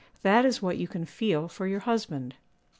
That is what you can feel for your husband.